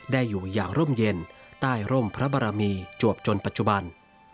ได้อยู่อย่างร่มเย็นใต้ร่มพระบารมีจวบจนปัจจุบัน